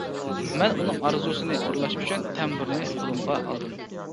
مەن ئۇنىڭ ئارزۇسىنى ئورۇنلاش ئۈچۈن تەمبۇرنى قولۇمغا ئالدىم.